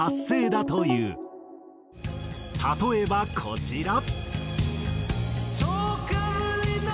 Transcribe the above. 例えばこちら。